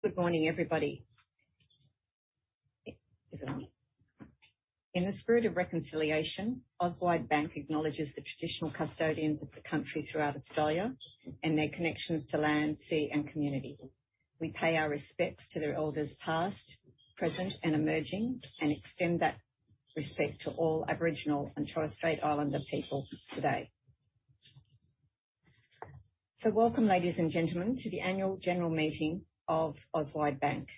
Good morning, everybody. In the spirit of reconciliation, Auswide Bank acknowledges the traditional custodians of the country throughout Australia and their connections to land, sea and community. We pay our respects to their elders past, present and emerging, and extend that respect to all Aboriginal and Torres Strait Islander people today. Welcome, ladies and gentlemen, to the Annual General Meeting of Auswide Bank.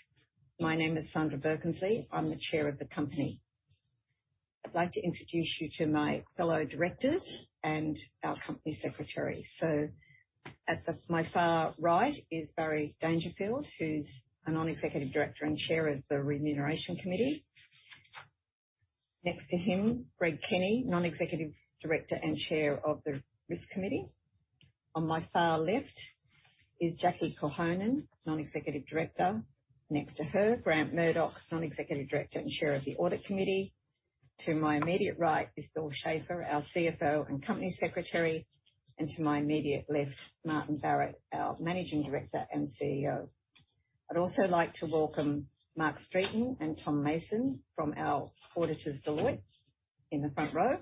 My name is Sandra Birkensleigh, I'm the Chair of the company. I'd like to introduce you to my fellow directors and our company secretary. My far right is Barry Dangerfield, who's a Non-Executive Director and Chair of the Remuneration Committee. Next to him, Greg Kenny, Non-Executive Director and Chair of the Risk Committee. On my far left is Jacqueline Korhonen, Non-Executive Director. Next to her, Grant Murdoch, Non-Executive Director and Chair of the Audit Committee. To my immediate right is Bill Schafer, our CFO and Company Secretary. To my immediate left, Martin Barrett, our Managing Director and CEO. I'd also like to welcome Mark Stretton and Tom Mason from our auditors, Deloitte, in the front row.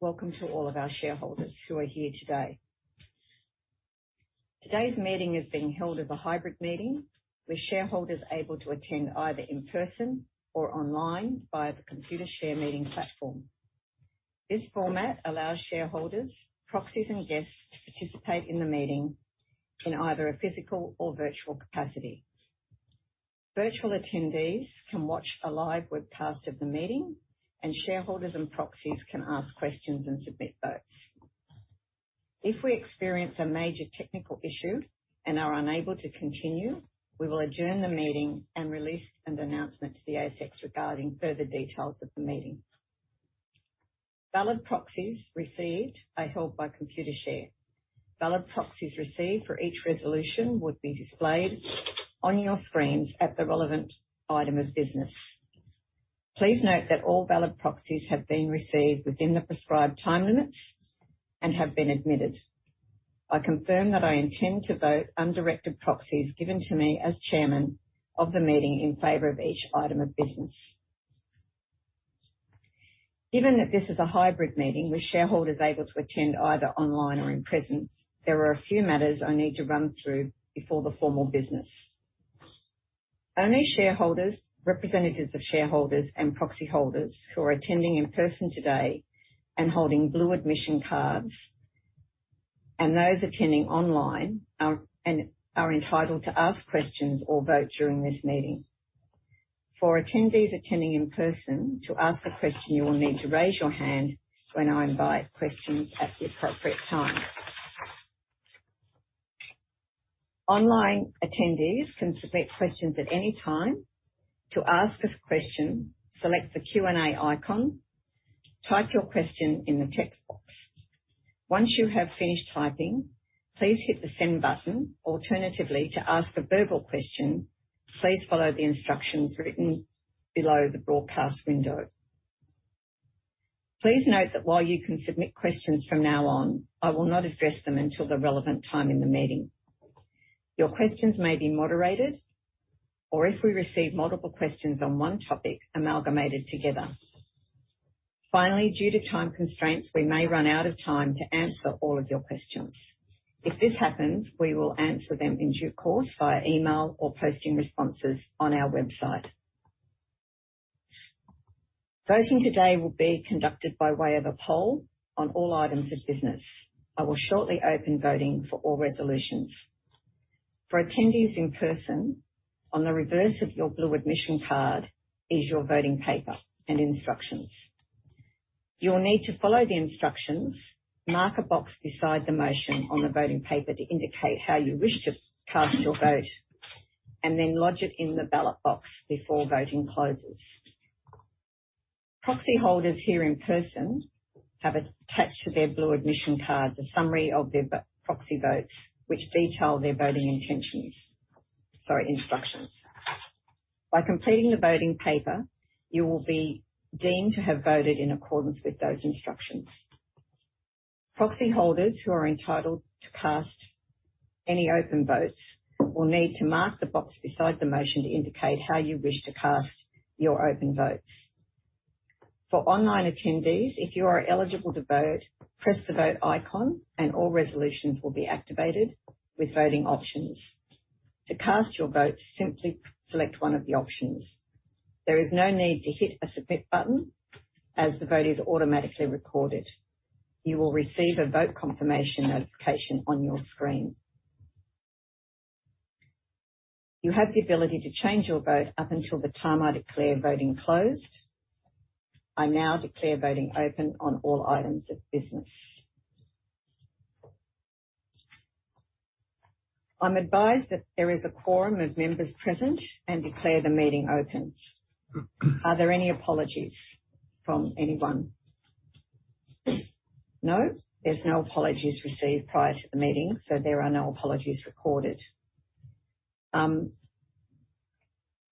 Welcome to all of our shareholders who are here today. Today's meeting is being held as a hybrid meeting, with shareholders able to attend either in person or online via the Computershare meeting platform. This format allows shareholders, proxies and guests to participate in the meeting in either a physical or virtual capacity. Virtual attendees can watch a live webcast of the meeting, and shareholders and proxies can ask questions and submit votes. If we experience a major technical issue and are unable to continue, we will adjourn the meeting and release an announcement to the ASX regarding further details of the meeting. Valid proxies received are held by Computershare. Valid proxies received for each resolution would be displayed on your screens at the relevant item of business. Please note that all valid proxies have been received within the prescribed time limits and have been admitted. I confirm that I intend to vote undirected proxies given to me as chairman of the meeting in favor of each item of business. Given that this is a hybrid meeting with shareholders able to attend either online or in presence, there are a few matters I need to run through before the formal business. Only shareholders, representatives of shareholders and proxy holders who are attending in person today and holding blue admission cards, and those attending online are entitled to ask questions or vote during this meeting. For attendees attending in person, to ask a question you will need to raise your hand when I invite questions at the appropriate time. Online attendees can submit questions at any time. To ask a question, select the Q&A icon. Type your question in the text box. Once you have finished typing, please hit the send button. Alternatively, to ask a verbal question, please follow the instructions written below the broadcast window. Please note that while you can submit questions from now on, I will not address them until the relevant time in the meeting. Your questions may be moderated or if we receive multiple questions on one topic, amalgamated together. Finally, due to time constraints, we may run out of time to answer all of your questions. If this happens, we will answer them in due course via email or posting responses on our website. Voting today will be conducted by way of a poll on all items of business. I will shortly open voting for all resolutions. For attendees in person, on the reverse of your blue admission card is your voting paper and instructions. You'll need to follow the instructions. Mark a box beside the motion on the voting paper to indicate how you wish to cast your vote, and then lodge it in the ballot box before voting closes. Proxy holders here in person have attached to their blue admission cards a summary of their proxy votes which detail their voting intentions. Sorry, instructions. By completing the voting paper, you will be deemed to have voted in accordance with those instructions. Proxy holders who are entitled to cast any open votes will need to mark the box beside the motion to indicate how you wish to cast your open votes. For online attendees, if you are eligible to vote, press the vote icon and all resolutions will be activated with voting options. To cast your vote, simply select one of the options. There is no need to hit a submit button as the vote is automatically recorded. You will receive a vote confirmation notification on your screen. You have the ability to change your vote up until the time I declare voting closed. I now declare voting open on all items of business. I'm advised that there is a quorum of members present and declare the meeting open. Are there any apologies from anyone? No? There's no apologies received prior to the meeting. There are no apologies recorded.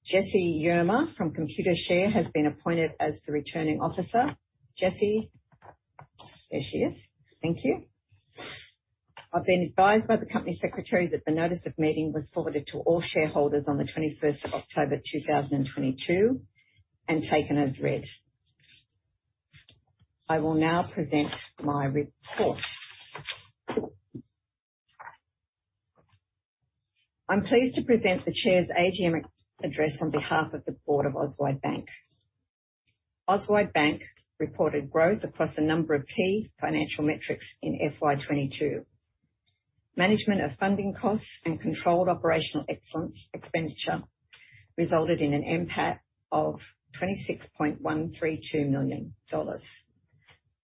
Jesse Yerma from Computershare has been appointed as the Returning Officer. Jesse? There she is. Thank you. I've been advised by the Company Secretary that the notice of meeting was forwarded to all shareholders on the 21st of October 2022, and taken as read. I will now present my report. I'm pleased to present the Chair's AGM address on behalf of the Board of Auswide Bank. Auswide Bank reported growth across a number of key financial metrics in FY 2022. Management of funding costs and controlled operational excellence expenditure resulted in an NPAT of 26.132 million dollars,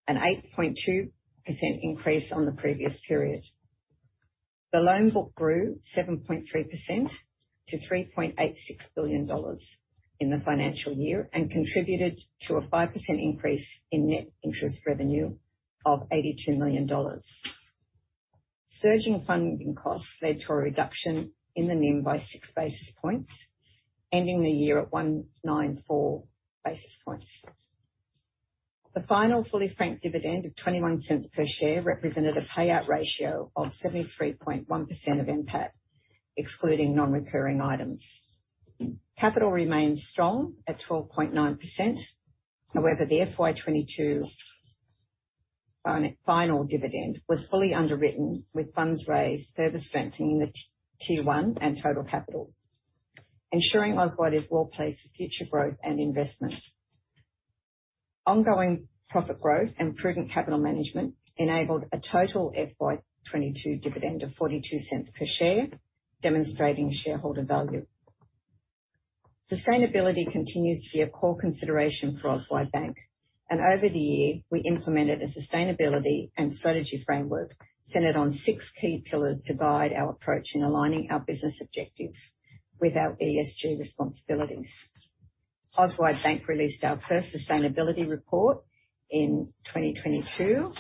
an 8.2% increase on the previous period. The loan book grew 7.3% to 3.86 billion dollars in the financial year and contributed to a 5% increase in net interest revenue of 82 million dollars. Surging funding costs led to a reduction in the NIM by 6 basis points, ending the year at 194 basis points. The final fully franked dividend of 0.21 per share represented a payout ratio of 73.1% of NPAT, excluding non-recurring items. Capital remains strong at 12.9%. The FY 2022 final dividend was fully underwritten, with funds raised further strengthening the Tier 1 and total capital, ensuring Auswide is well-placed for future growth and investment. Ongoing profit growth and prudent capital management enabled a total FY 2022 dividend of 0.42 per share, demonstrating shareholder value. Sustainability continues to be a core consideration for Auswide Bank. Over the year, we implemented a sustainability and strategy framework centered on six key pillars to guide our approach in aligning our business objectives with our ESG responsibilities. Auswide Bank released our first sustainability report in 2022.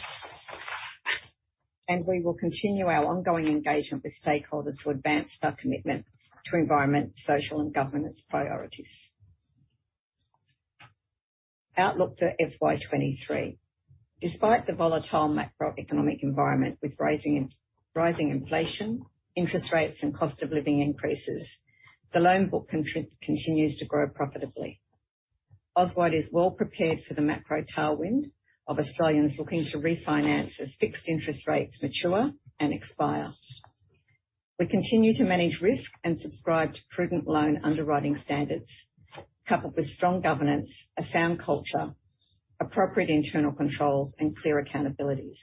We will continue our ongoing engagement with stakeholders to advance our commitment to environment, social, and governance priorities. Outlook for FY 2023. Despite the volatile macroeconomic environment with rising inflation, interest rates and cost of living increases, the loan book continues to grow profitably. Auswide is well prepared for the macro tailwind of Australians looking to refinance as fixed interest rates mature and expire. We continue to manage risk and subscribe to prudent loan underwriting standards, coupled with strong governance, a sound culture, appropriate internal controls, and clear accountabilities.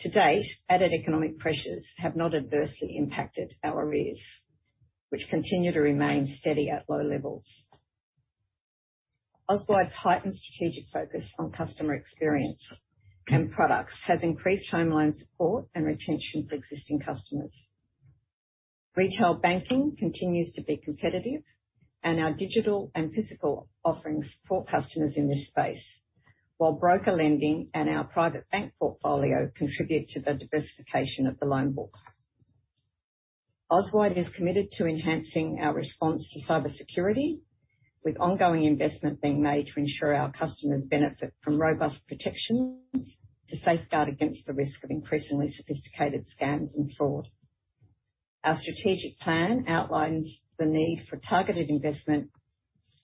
To date, added economic pressures have not adversely impacted our arrears, which continue to remain steady at low levels. Auswide's heightened strategic focus on customer experience and products has increased home loan support and retention for existing customers. Retail banking continues to be competitive and our digital and physical offerings support customers in this space. While broker lending and our Private Bank portfolio contribute to the diversification of the loan book. Auswide is committed to enhancing our response to cybersecurity, with ongoing investment being made to ensure our customers benefit from robust protections to safeguard against the risk of increasingly sophisticated scams and fraud. Our strategic plan outlines the need for targeted investment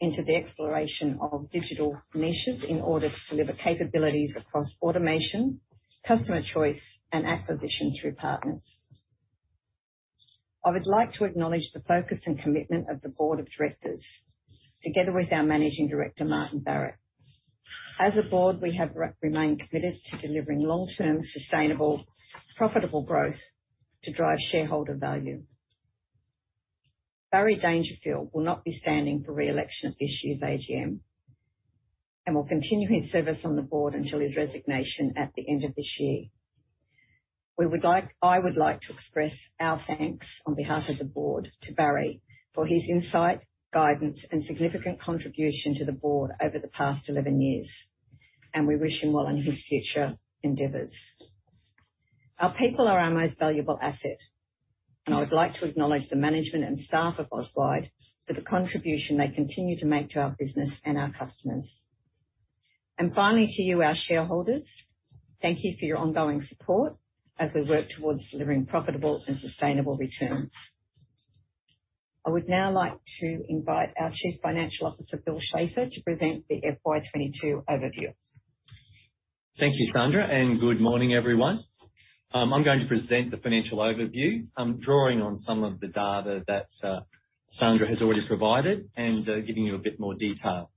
into the exploration of digital niches in order to deliver capabilities across automation, customer choice and acquisition through partners. I would like to acknowledge the focus and commitment of the Board of Directors, together with our Managing Director, Martin Barrett. As a board, we have remained committed to delivering long-term, sustainable, profitable growth to drive shareholder value. Barry Dangerfield will not be standing for re-election at this year's AGM and will continue his service on the board until his resignation at the end of this year. I would like to express our thanks on behalf of the board to Barry for his insight, guidance and significant contribution to the board over the past 11 years, we wish him well in his future endeavors. Our people are our most valuable asset and I would like to acknowledge the management and staff of Auswide for the contribution they continue to make to our business and our customers. Finally, to you, our shareholders, thank you for your ongoing support as we work towards delivering profitable and sustainable returns. I would now like to invite our Chief Financial Officer, Bill Schafer, to present the FY 2022 overview. Thank you, Sandra, and good morning, everyone. I'm going to present the financial overview. I'm drawing on some of the data that Sandra has already provided and giving you a bit more detail.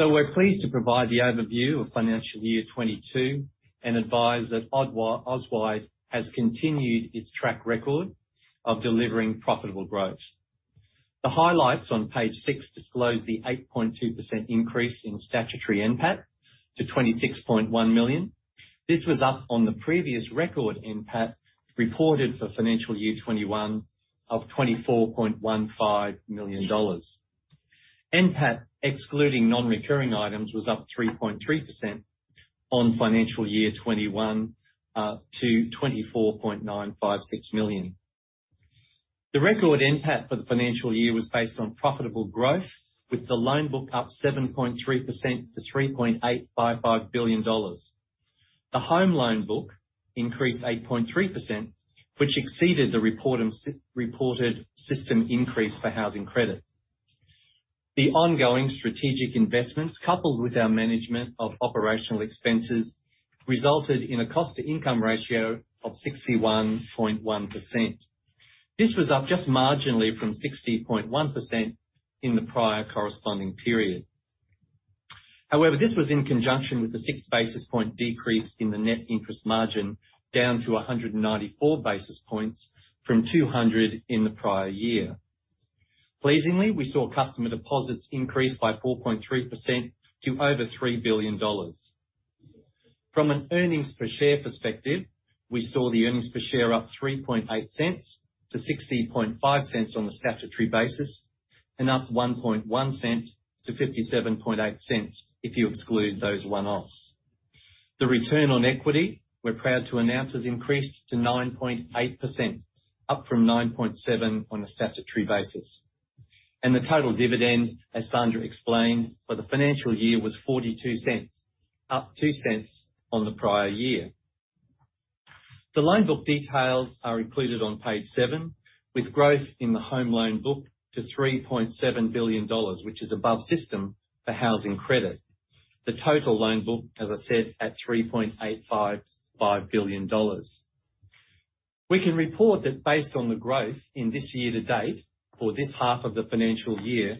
We're pleased to provide the overview of financial year 2022 and advise that Auswide has continued its track record of delivering profitable growth. The highlights on page six disclose the 8.2% increase in statutory NPAT to 26.1 million. This was up on the previous record NPAT reported for financial year 2021 of 24.15 million dollars. NPAT, excluding non-recurring items, was up 3.3% on financial year 2021 to 24.956 million. The record NPAT for the financial year was based on profitable growth with the loan book up 7.3% to 3.855 billion dollars. The home loan book increased 8.3%, which exceeded the reported system increase for housing credit. The ongoing strategic investments, coupled with our management of operational expenses, resulted in a cost-to-income ratio of 61.1%. This was up just marginally from 60.1% in the prior corresponding period. This was in conjunction with the 6 basis point decrease in the net interest margin down to 194 basis points from 200 in the prior year. Pleasingly, we saw customer deposits increase by 4.3% to over 3 billion dollars. From an earnings per share perspective, we saw the earnings per share up 0.038 to 0.605 on a statutory basis, and up 0.011 to 0.578 if you exclude those one-offs. The return on equity, we're proud to announce, has increased to 9.8%, up from 9.7% on a statutory basis. The total dividend, as Sandra explained, for the financial year was 0.42, up 0.02 on the prior year. The loan book details are included on page seven with growth in the home loan book to 3.7 billion dollars, which is above system for housing credit. The total loan book, as I said, at 3.855 billion dollars. We can report that based on the growth in this year to date for this half of the financial year,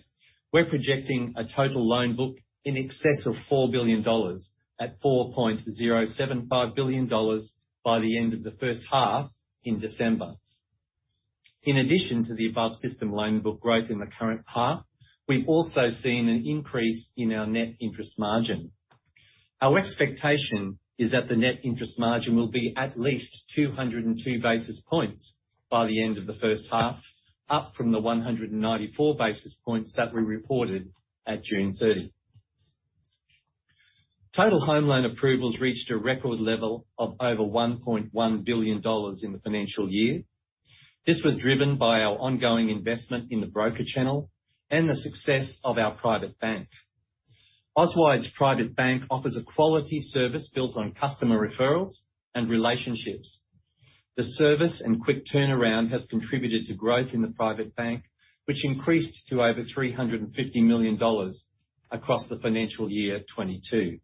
we're projecting a total loan book in excess of 4 billion dollars at 4.075 billion dollars by the end of the first half in December. In addition to the above system loan book growth in the current half, we've also seen an increase in our net interest margin. Our expectation is that the net interest margin will be at least 202 basis points by the end of the first half, up from the 194 basis points that we reported at June 30. Total home loan approvals reached a record level of over 1.1 billion dollars in the financial year. This was driven by our ongoing investment in the broker channel and the success of our Private Bank. Auswide Bank's Private Bank offers a quality service built on customer referrals and relationships. The service and quick turnaround has contributed to growth in the Private Bank, which increased to over $350 million across the financial year 2022.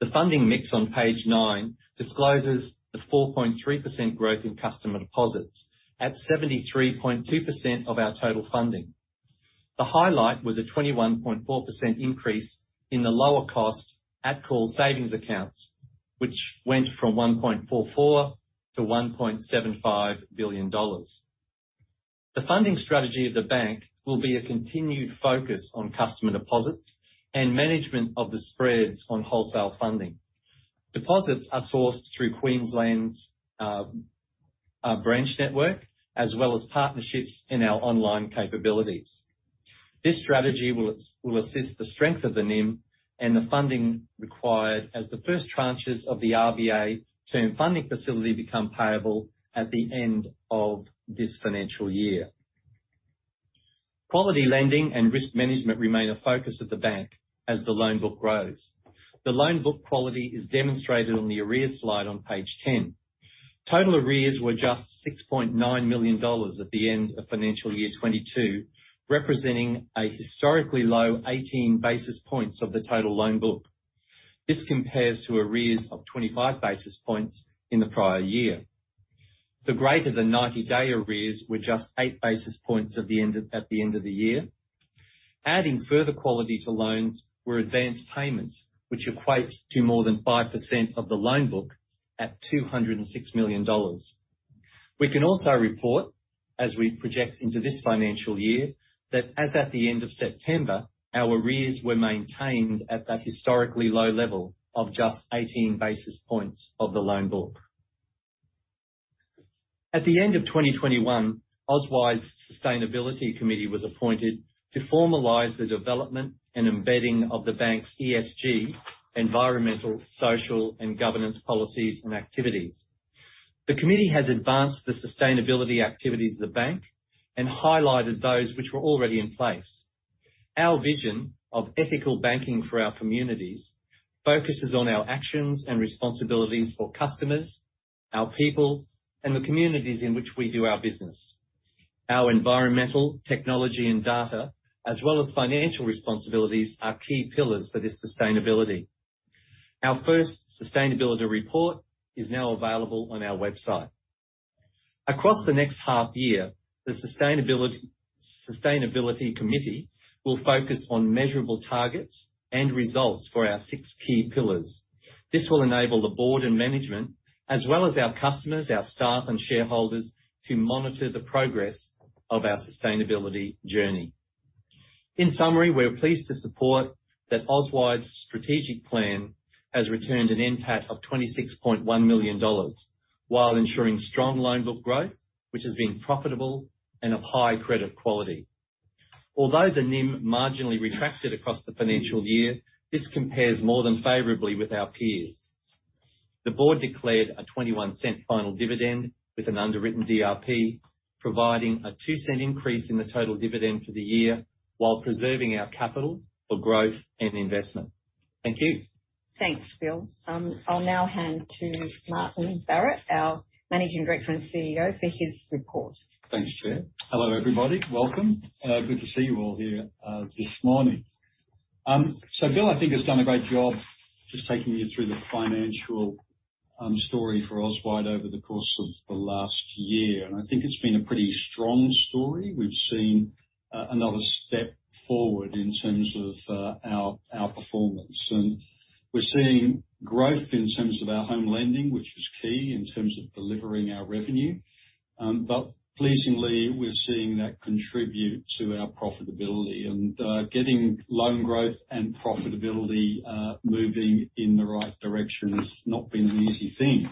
The funding mix on page nine discloses the 4.3% growth in customer deposits at 73.2% of our total funding. The highlight was a 21.4% increase in the lower cost at call savings accounts, which went from $1.44 billion-$1.75 billion. The funding strategy of the bank will be a continued focus on customer deposits and management of the spreads on wholesale funding. Deposits are sourced through Queensland's branch network as well as partnerships in our online capabilities. This strategy will assist the strength of the NIM and the funding required as the first tranches of the RBA Term Funding Facility become payable at the end of this financial year. Quality lending and risk management remain a focus of the bank as the loan book grows. The loan book quality is demonstrated on the arrears slide on page 10. Total arrears were just $6.9 million at the end of financial year 2022, representing a historically low 18 basis points of the total loan book. This compares to arrears of 25 basis points in the prior year. The greater than 90-day arrears were just 8 basis points at the end of the year. Adding further quality to loans were advanced payments, which equates to more than 5% of the loan book at $206 million. We can also report, as we project into this financial year, that as at the end of September, our arrears were maintained at that historically low level of just 18 basis points of the loan book. At the end of 2021, Auswide's Sustainability Committee was appointed to formalize the development and embedding of the bank's ESG, environmental, social, and governance policies and activities. The committee has advanced the sustainability activities of the bank and highlighted those which were already in place. Our vision of ethical banking for our communities focuses on our actions and responsibilities for customers, our people, and the communities in which we do our business. Our environmental technology and data, as well as financial responsibilities are key pillars for this sustainability. Our first sustainability report is now available on our website. Across the next half year, the sustainability committee will focus on measurable targets and results for our six key pillars. This will enable the board and management as well as our customers, our staff, and shareholders to monitor the progress of our sustainability journey. In summary, we're pleased to support that Auswide's strategic plan has returned an NPAT of 26.1 million dollars. While ensuring strong loan book growth, which has been profitable and of high credit quality. Although the NIM marginally retracted across the financial year, this compares more than favorably with our peers. The board declared a 0.21 final dividend with an underwritten DRP, providing a 0.02 increase in the total dividend for the year while preserving our capital for growth and investment. Thank you. Thanks, Bill. I'll now hand to Martin Barrett, our Managing Director and CEO, for his report. Thanks, Chair. Hello, everybody. Welcome. Good to see you all here this morning. Bill, I think, has done a great job just taking you through the financial story for Auswide over the course of the last year, and I think it's been a pretty strong story. We've seen another step forward in terms of our performance. We're seeing growth in terms of our home lending, which is key in terms of delivering our revenue. Pleasingly, we're seeing that contribute to our profitability. Getting loan growth and profitability moving in the right direction has not been an easy thing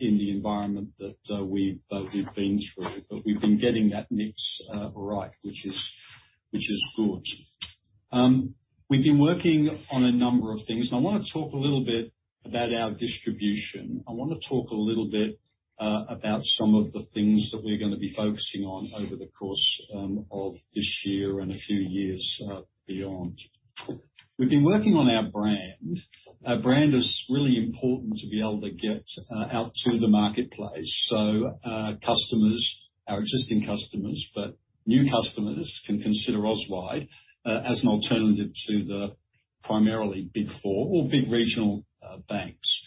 in the environment that we've been through. We've been getting that mix right, which is, which is good. We've been working on a number of things. I wanna talk a little bit about our distribution. I wanna talk a little bit about some of the things that we're gonna be focusing on over the course of this year and a few years beyond. We've been working on our brand. Our brand is really important to be able to get out to the marketplace. Customers, our existing customers, but new customers can consider Auswide as an alternative to the primarily Big Four or big regional banks.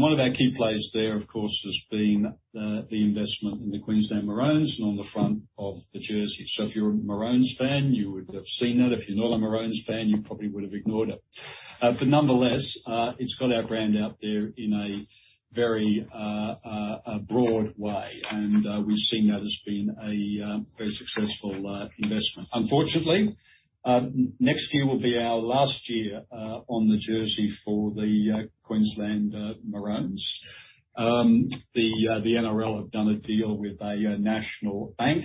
One of our key plays there, of course, has been the investment in the Queensland Maroons and on the front of the jersey. If you're a Maroons fan, you would have seen that. If you're not a Maroons fan, you probably would have ignored it. Nonetheless, it's got our brand out there in a very broad way, and we've seen that as being a very successful investment. Unfortunately, next year will be our last year on the jersey for the Queensland Maroons. The NRL have done a deal with a national bank.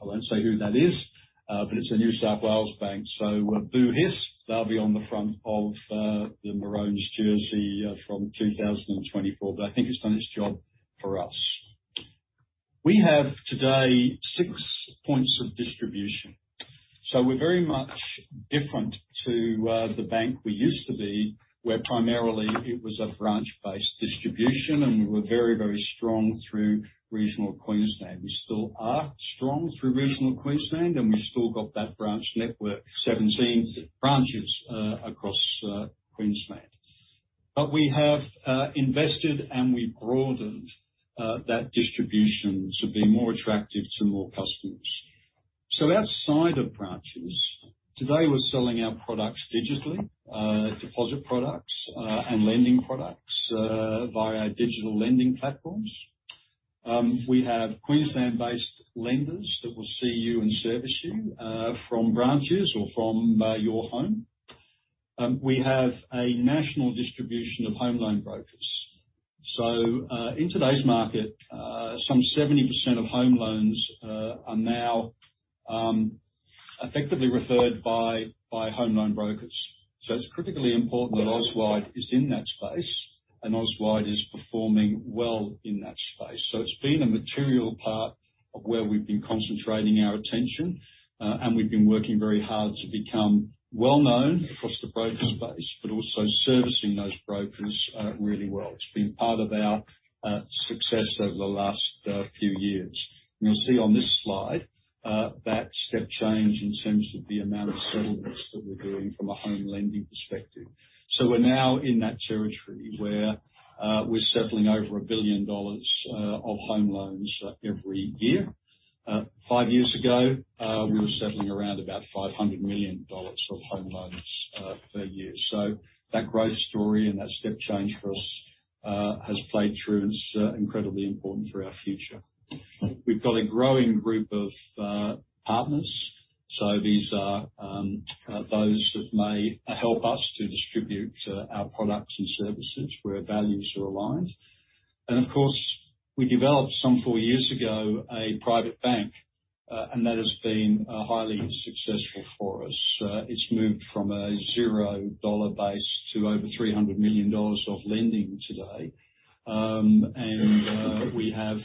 I won't say who that is, it's a New South Wales bank, so boo, hiss. They'll be on the front of the Maroons jersey from 2024. I think it's done its job for us. We have today 6 points of distribution. We're very much different to the bank we used to be, where primarily it was a branch-based distribution, and we were very, very strong through regional Queensland. We still are strong through regional Queensland, and we've still got that branch network, 17 branches across Queensland. We have invested, and we've broadened that distribution to be more attractive to more customers. Outside of branches, today we're selling our products digitally, deposit products, and lending products via digital lending platforms. We have Queensland-based lenders that will see you and service you from branches or from your home. We have a national distribution of home loan brokers. In today's market, some 70% of home loans are now effectively referred by home loan brokers. It's critically important that Auswide is in that space and Auswide is performing well in that space. It's been a material part of where we've been concentrating our attention, and we've been working very hard to become well-known across the broker space, but also servicing those brokers really well. It's been part of our success over the last few years. You'll see on this slide that step change in terms of the amount of settlements that we're doing from a home lending perspective. We're now in that territory where we're settling over 1 billion dollars of home loans every year. Five years ago, we were settling around about 500 million dollars of home loans per year. That growth story and that step change for us has played through and is incredibly important for our future. We've got a growing group of partners. These are those that may help us to distribute our products and services where values are aligned. Of course, we developed some four years ago a Private Bank, and that has been highly successful for us. It's moved from an 0 dollar base to over 300 million dollars of lending today. We have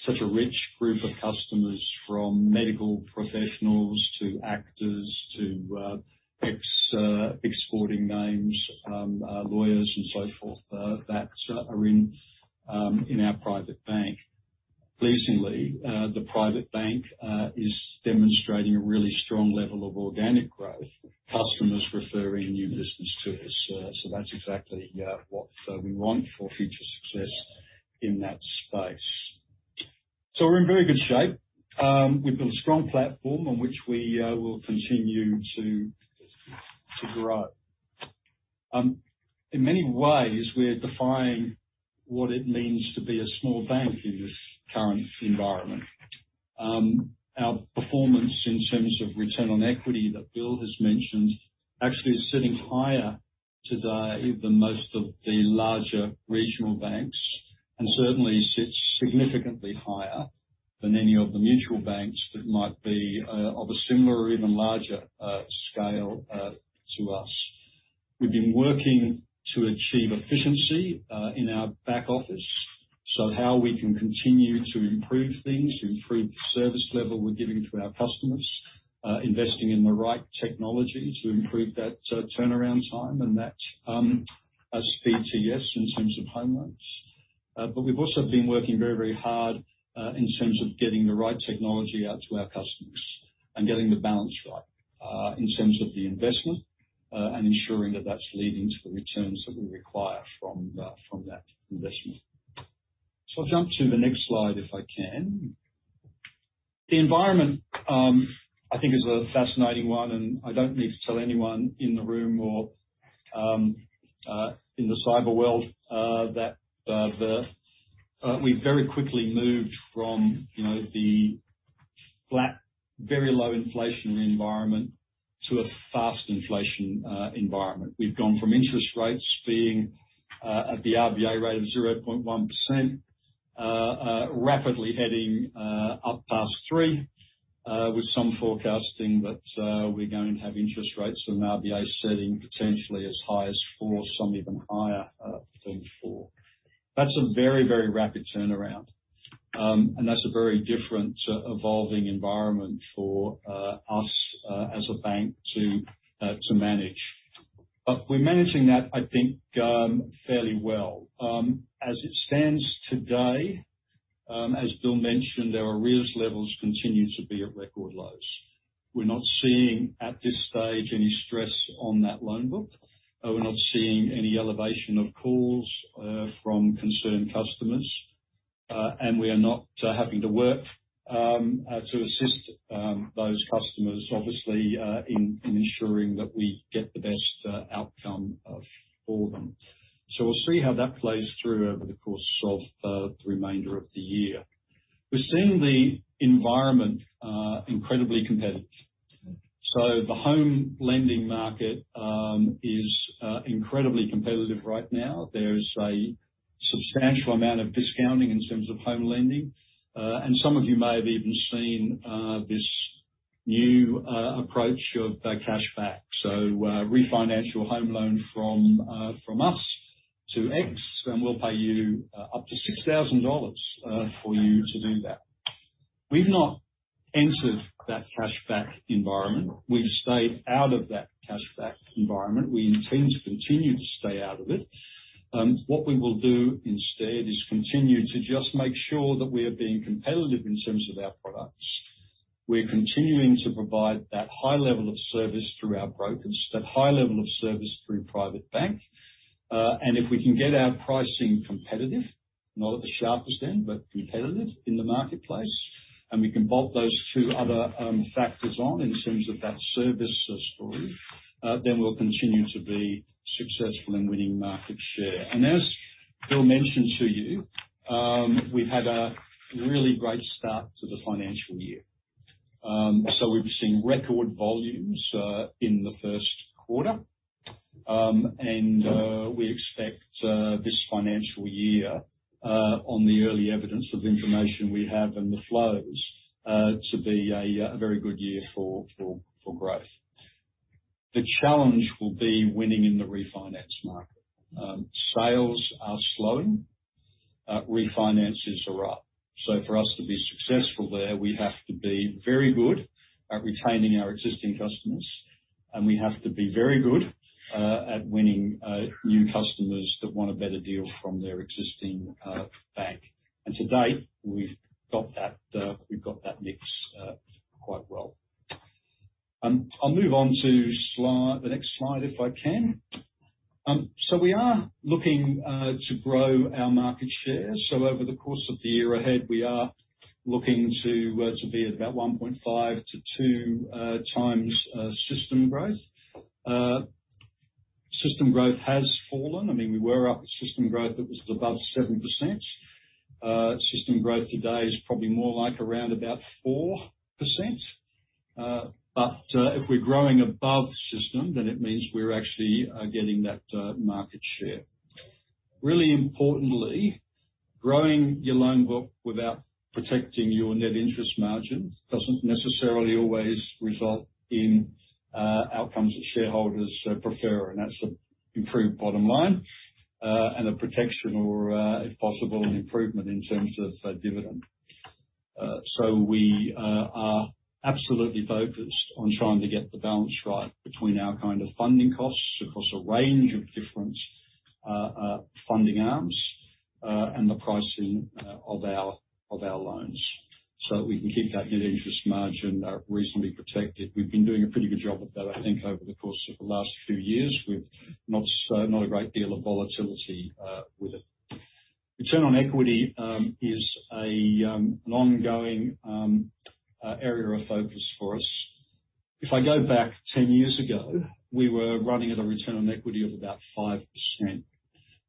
such a rich group of customers from medical professionals to actors to ex-sporting names, lawyers and so forth, that are in our Private Bank. Pleasingly, the Private Bank is demonstrating a really strong level of organic growth, customers referring new business to us. That's exactly what we want for future success in that space. We're in very good shape. We've built a strong platform on which we will continue to grow. In many ways, we're defying what it means to be a small bank in this current environment. Our performance in terms of return on equity that Bill has mentioned actually is sitting higher today than most of the larger regional banks, and certainly sits significantly higher than any of the mutual banks that might be of a similar or even larger scale to us. We've been working to achieve efficiency in our back office. How we can continue to improve things, improve the service level we're giving to our customers, investing in the right technology to improve that turnaround time and that speed to yes in terms of home loans. We've also been working very, very hard in terms of getting the right technology out to our customers and getting the balance right in terms of the investment and ensuring that that's leading to the returns that we require from that investment. I'll jump to the next slide if I can. The environment, I think is a fascinating one, and I don't need to tell anyone in the room or in the cyber world that we very quickly moved from, you know, the flat, very low inflationary environment to a fast inflation environment. We've gone from interest rates being at the RBA rate of 0.1%, rapidly heading up past three, with some forecasting that we're going to have interest rates from the RBA setting potentially as high as four, some even higher than four. That's a very, very rapid turnaround. That's a very different evolving environment for us as a bank to manage. We're managing that, I think, fairly well. As it stands today, as Bill mentioned, our arrears levels continue to be at record lows. We're not seeing at this stage any stress on that loan book. We're not seeing any elevation of calls from concerned customers, and we are not having to work to assist those customers, obviously, in ensuring that we get the best outcome for them. We'll see how that plays through over the course of the remainder of the year. We're seeing the environment incredibly competitive. The home lending market is incredibly competitive right now. There's a substantial amount of discounting in terms of home lending, and some of you may have even seen this new approach of cashback. Refinance your home loan from us to X, and we'll pay you up to 6,000 dollars for you to do that. We've not entered that cashback environment. We've stayed out of that cashback environment. We intend to continue to stay out of it. What we will do instead is continue to just make sure that we are being competitive in terms of our products. We're continuing to provide that high level of service through our brokers, that high level of service through Private Bank. If we can get our pricing competitive, not at the sharpest end, but competitive in the marketplace, and we can bolt those two other factors on in terms of that service story, then we'll continue to be successful in winning market share. As Bill mentioned to you, we've had a really great start to the financial year. We've seen record volumes in the first quarter. We expect this financial year, on the early evidence of information we have and the flows, to be a very good year for growth. The challenge will be winning in the refinance market. Sales are slowing. Refinances are up. For us to be successful there, we have to be very good at retaining our existing customers, and we have to be very good at winning new customers that want a better deal from their existing bank. To date, we've got that, we've got that mix quite well. I'll move on to the next slide if I can. We are looking to grow our market share. Over the course of the year ahead, we are looking to be at about 1.5x-2x system growth. System growth has fallen. I mean, we were up at system growth that was above 7%. System growth today is probably more like around about 4%. If we're growing above system, then it means we're actually getting that market share. Really importantly, growing your loan book without protecting your net interest margin doesn't necessarily always result in outcomes that shareholders prefer, and that's the improved bottom line and the protection or, if possible, an improvement in terms of dividend. We are absolutely focused on trying to get the balance right between our kind of funding costs across a range of different funding arms and the pricing of our, of our loans, so we can keep that net interest margin reasonably protected. We've been doing a pretty good job of that, I think, over the course of the last few years. We've not a great deal of volatility with it. return on equity is an ongoing area of focus for us. If I go back 10 years ago, we were running at a return on equity of about 5%.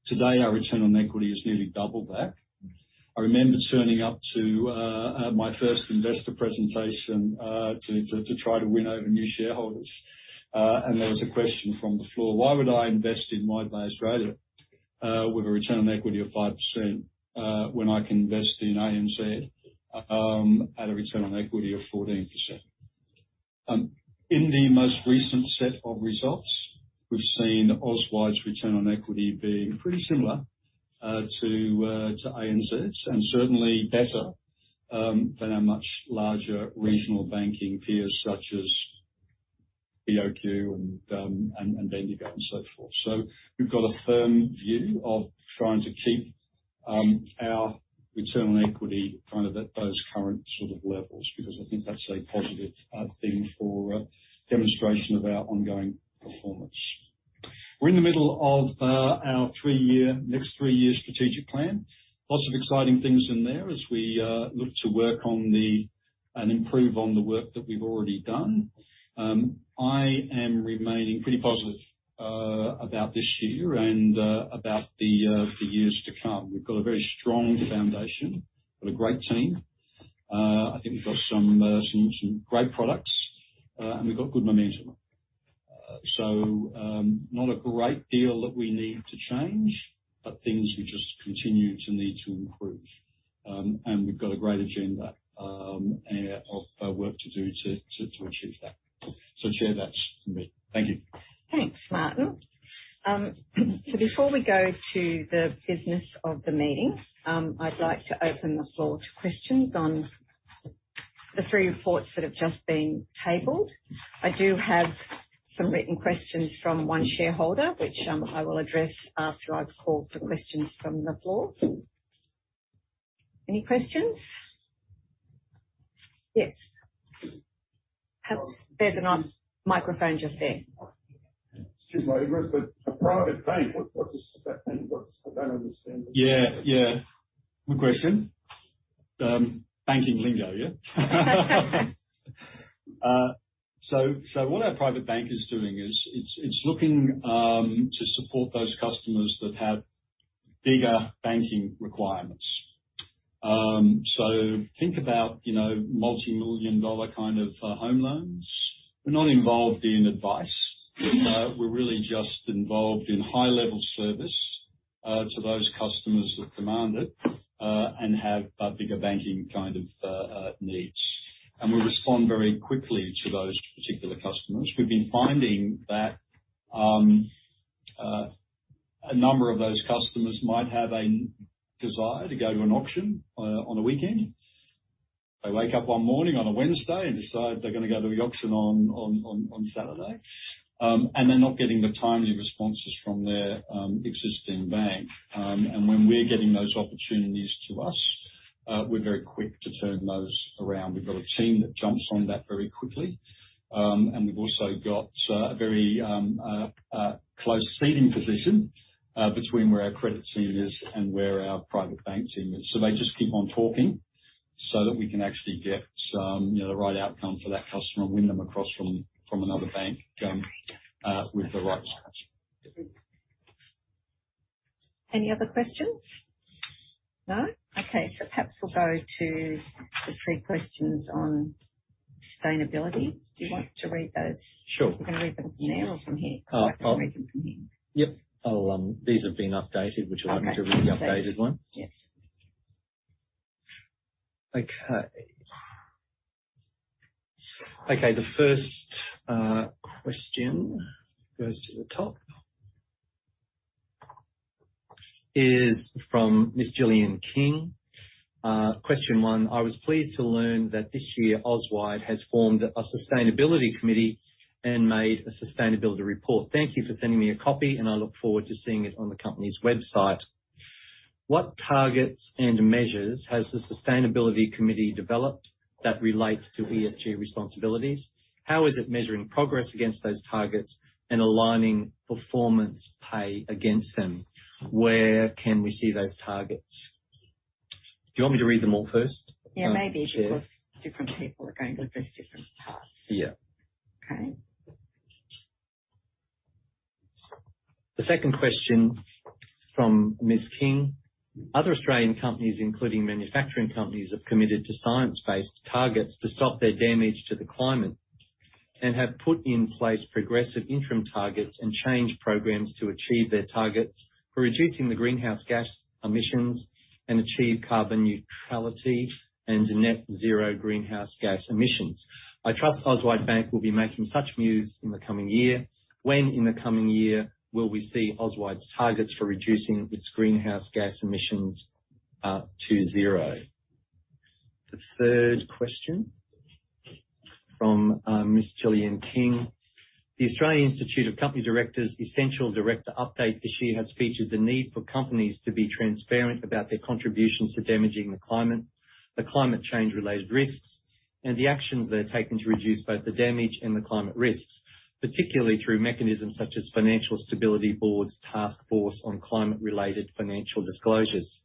Today, our return on equity is nearly double that. I remember turning up to my first investor presentation to try to win over new shareholders. There was a question from the floor, "Why would I invest in my place rather, with a return on equity of 5%, when I can invest in ANZ, at a return on equity of 14%?" In the most recent set of results, we've seen Auswide's return on equity being pretty similar to ANZ's, and certainly better than our much larger regional banking peers such as BOQ and Bendigo and so forth. We've got a firm view of trying to keep our return on equity kind of at those current sort of levels, because I think that's a positive thing for demonstration of our ongoing performance. We're in the middle of our 3-year, next 3-year strategic plan. Lots of exciting things in there as we look to work on the... Improve on the work that we've already done. I am remaining pretty positive about this year and about the years to come. We've got a very strong foundation. Got a great team. I think we've got some great products, and we've got good momentum. Not a great deal that we need to change, but things we just continue to need to improve. We've got a great agenda of work to do to achieve that. Share that for me. Thank you. Thanks, Martin. Before we go to the business of the meeting, I'd like to open the floor to questions on the three reports that have just been tabled. I do have some written questions from one shareholder, which, I will address after I've called for questions from the floor. Any questions? Yes. Perhaps there's an on microphone just there. Excuse me. It was the Private Bank. What's that mean? I don't understand. Yeah, yeah. Good question. Banking lingo, yeah. So what our Private Bank is doing is it's looking to support those customers that have bigger banking requirements. Think about, you know, multimillion-dollar kind of home loans. We're not involved in advice. Yeah. We're really just involved in high-level service to those customers that demand it and have bigger banking kind of needs. We respond very quickly to those particular customers. We've been finding that a number of those customers might have a desire to go to an auction on a weekend. They wake up one morning on a Wednesday and decide they're gonna go to the auction on Saturday, and they're not getting the timely responses from their existing bank. When we're getting those opportunities to us, we're very quick to turn those around. We've got a team that jumps on that very quickly. We've also got a very close seating position between where our credit team is and where our Private Bank team is. They just keep on talking so that we can actually get some, you know, the right outcome for that customer and win them across from another bank with the right strategy. Any other questions? No. Okay. Perhaps we'll go to the three questions on sustainability. Do you want to read those? Sure. You wanna read them now or from here? 'Cause I can read them from here. Yep. I'll. These have been updated. Would you like me to read the updated one? Yes. Okay. The first question goes to the top. Is from Miss Gillian King. Question one. I was pleased to learn that this year Auswide has formed a sustainability committee and made a sustainability report. Thank you for sending me a copy. I look forward to seeing it on the company's website. What targets and measures has the sustainability committee developed that relate to ESG responsibilities? How is it measuring progress against those targets and aligning performance pay against them? Where can we see those targets? Do you want me to read them all first? Yeah, maybe because different people are going to address different parts. Yeah. Okay. The second question from Miss King. Other Australian companies, including manufacturing companies, have committed to science-based targets to stop their damage to the climate and have put in place progressive interim targets and change programs to achieve their targets for reducing the greenhouse gas emissions and achieve carbon neutrality and net zero greenhouse gas emissions. I trust Auswide Bank will be making such moves in the coming year. When in the coming year will we see Auswide's targets for reducing its greenhouse gas emissions to zero? The third question from Miss Gillian King. The Australian Institute of Company Directors Essential Director update this year has featured the need for companies to be transparent about their contributions to damaging the climate, the climate change-related risks, and the actions they're taking to reduce both the damage and the climate risks, particularly through mechanisms such as Financial Stability Board's Task Force on Climate-related Financial Disclosures.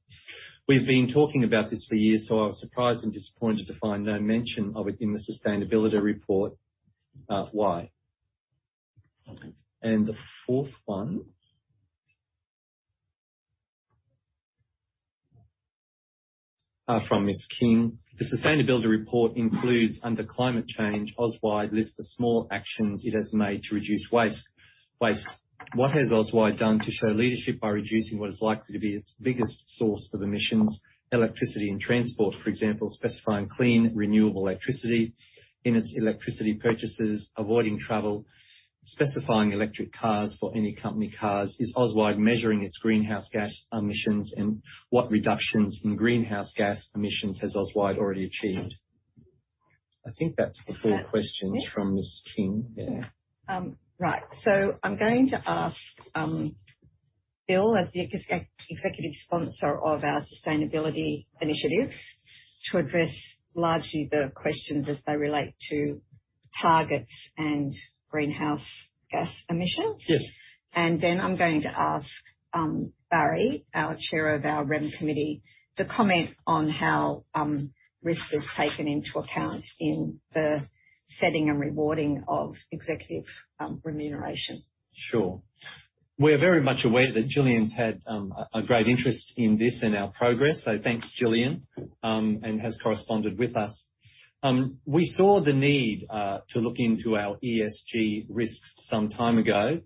We've been talking about this for years, so I was surprised and disappointed to find no mention of it in the sustainability report. Why? The fourth one, from Ms. King. The sustainability report includes under climate change, Auswide lists the small actions it has made to reduce waste. What has Auswide done to show leadership by reducing what is likely to be its biggest source of emissions, electricity and transport, for example, specifying clean, renewable electricity in its electricity purchases, avoiding travel, specifying electric cars for any company cars? Is Auswide measuring its greenhouse gas emissions? And what reductions in greenhouse gas emissions has Auswide already achieved? I think that's the four questions from Ms. King. Yeah. Right. I'm going to ask Bill, as the executive sponsor of our sustainability initiatives, to address largely the questions as they relate to targets and greenhouse gas emissions. Yes. I'm going to ask Barry, our chair of our REM committee, to comment on how risk is taken into account in the setting and rewarding of executive remuneration. Sure. We're very much aware that Gillian's had a great interest in this and our progress. Thanks, Gillian, and has corresponded with us. We saw the need to look into our ESG risks some time ago.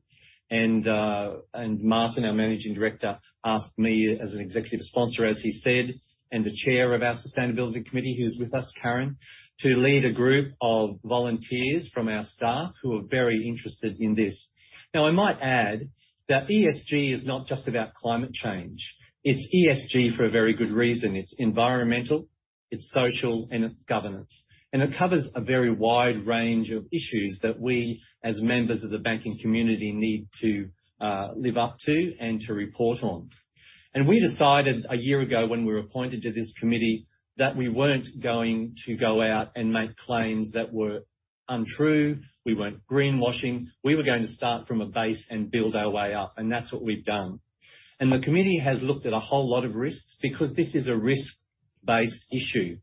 Martin, our Managing Director, asked me as an executive sponsor, as he said, and the chair of our sustainability committee, who's with us, Karen, to lead a group of volunteers from our staff who are very interested in this. I might add that ESG is not just about climate change. It's ESG for a very good reason. It's environmental, it's social, and it's governance. It covers a very wide range of issues that we, as members of the banking community, need to live up to and to report on. We decided a year ago when we were appointed to this committee that we weren't going to go out and make claims that were untrue. We weren't greenwashing. We were going to start from a base and build our way up. That's what we've done. The committee has looked at a whole lot of risks because this is a risk-based issue.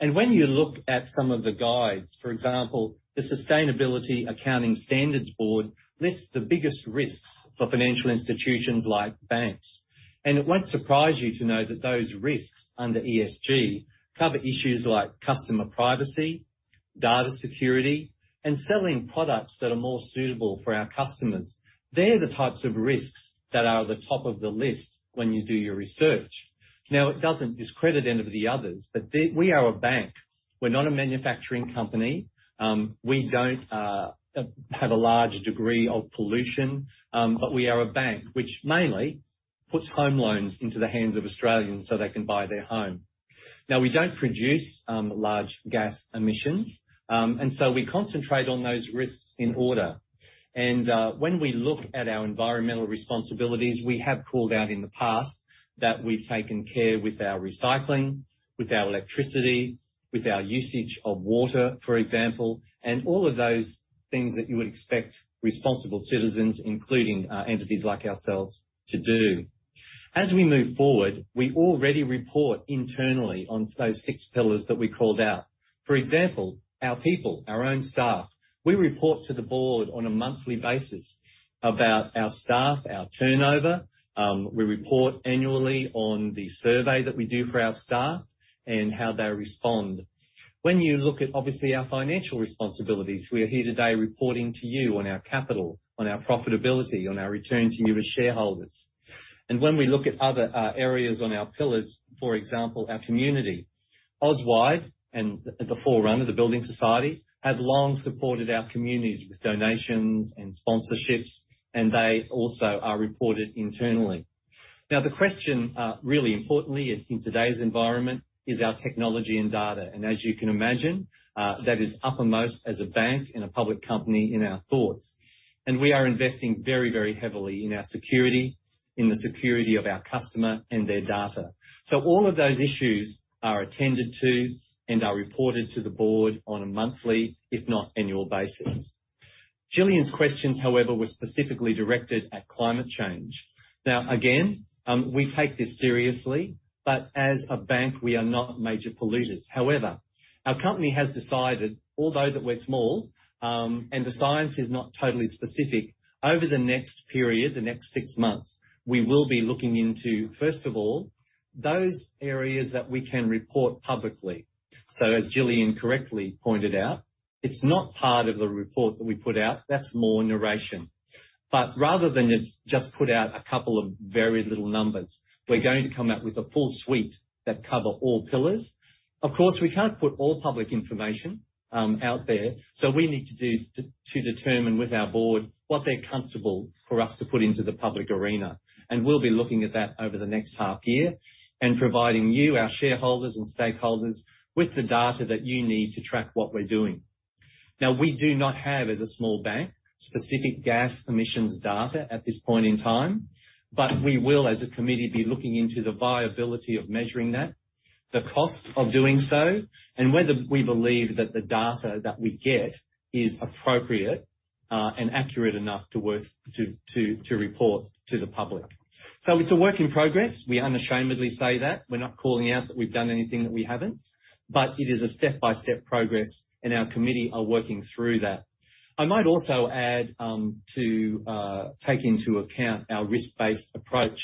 When you look at some of the guides, for example, the Sustainability Accounting Standards Board lists the biggest risks for financial institutions like banks. It won't surprise you to know that those risks under ESG cover issues like customer privacy, data security, and selling products that are more suitable for our customers. They're the types of risks that are at the top of the list when you do your research. Now, it doesn't discredit any of the others, but we are a bank. We're not a manufacturing company. We don't have a large degree of pollution. We are a bank which mainly puts home loans into the hands of Australians so they can buy their home. Now, we don't produce large gas emissions. We concentrate on those risks in order. When we look at our environmental responsibilities, we have called out in the past that we've taken care with our recycling, with our electricity, with our usage of water, for example, and all of those things that you would expect responsible citizens, including entities like ourselves, to do. As we move forward, we already report internally on those six pillars that we called out. For example, our people, our own staff. We report to the board on a monthly basis about our staff, our turnover. We report annually on the survey that we do for our staff and how they respond. When you look at, obviously, our financial responsibilities, we are here today reporting to you on our capital, on our profitability, on our return to you as shareholders. When we look at other areas on our pillars, for example, our community, Auswide and the forerunner, the Building Society, have long supported our communities with donations and sponsorships, and they also are reported internally. Now, the question, really importantly in today's environment is our technology and data. As you can imagine, that is uppermost as a bank and a public company in our thoughts. We are investing very, very heavily in our security, in the security of our customer and their data. All of those issues are attended to and are reported to the board on a monthly, if not annual basis. Gillian's questions, however, were specifically directed at climate change. Again, we take this seriously, but as a bank, we are not major polluters. Our company has decided, although that we're small, and the science is not totally specific, over the next period, the next six months, we will be looking into, first of all, those areas that we can report publicly. As Gillian correctly pointed out, it's not part of the report that we put out. That's more narration. Rather than just put out a couple of very little numbers, we're going to come out with a full suite that cover all pillars. Of course, we can't put all public information out there, so we need to determine with our board what they're comfortable for us to put into the public arena. We'll be looking at that over the next half year and providing you, our shareholders and stakeholders, with the data that you need to track what we're doing. We do not have, as a small bank, specific gas emissions data at this point in time, but we will, as a committee, be looking into the viability of measuring that. The cost of doing so, and whether we believe that the data that we get is appropriate and accurate enough to worth to report to the public. It's a work in progress. We unashamedly say that. We're not calling out that we've done anything that we haven't. It is a step-by-step progress, and our committee are working through that. I might also add, to take into account our risk-based approach.